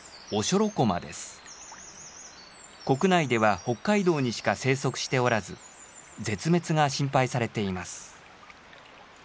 国内では北海道にしか生息しておらず絶滅が心配されています。